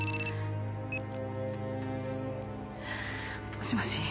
もしもし。